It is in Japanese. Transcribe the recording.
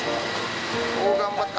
お頑張った。